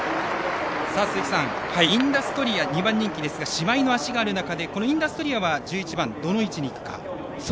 鈴木さん、インダストリア２番人気ですが、脚がある中でインダストリアは１１番、どの位置にいくか。